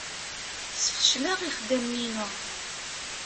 Sfecleɣ ixeddamen-inu.